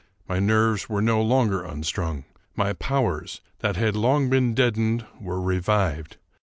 My nerves were no longer unstrung. My powers, that had long been deadened, were revived.